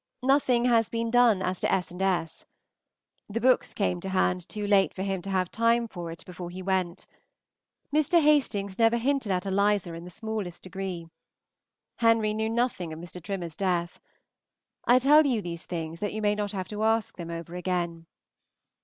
Nothing has been done as to S. and S. The books came to hand too late for him to have time for it before he went. Mr. Hastings never hinted at Eliza in the smallest degree. Henry knew nothing of Mr. Trimmer's death. I tell you these things that you may not have to ask them over again.